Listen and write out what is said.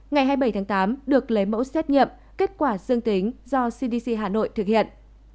ngày hai mươi bảy tháng tám được lấy mẫu xét nghiệm kết quả dương tính do cdc hà nội thực hiện